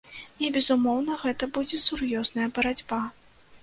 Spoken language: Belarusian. І безумоўна, гэта будзе сур'ёзная барацьба.